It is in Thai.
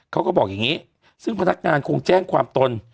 เขาก็บอกอย่างนี้ซึ่งพนักงานคงแจ้งความตน